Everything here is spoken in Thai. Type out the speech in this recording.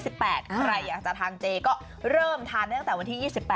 ใครอยากจะทานเจก็เริ่มทานตั้งแต่วันที่๒๘